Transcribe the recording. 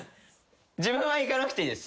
自分は行かなくていいです。